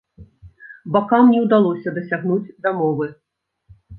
Бакам не ўдалося дасягнуць дамовы.